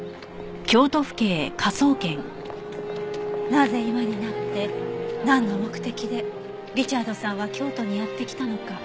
なぜ今になってなんの目的でリチャードさんは京都にやって来たのか。